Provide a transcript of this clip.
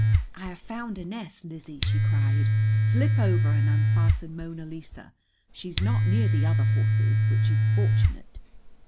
"I have found a nest, Lizzie," she cried. "Slip over and unfasten Mona Lisa. She's not near the other horses, which is fortunate."